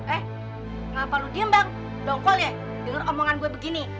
eh kenapa lu diem bang dongkol ya dengar omongan gue begini